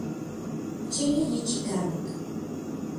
Chili yichikauak.